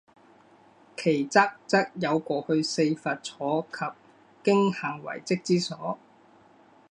其侧则有过去四佛坐及经行遗迹之所。